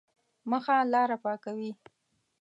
مخه لاره پاکوي.